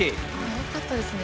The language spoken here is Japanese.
よかったですね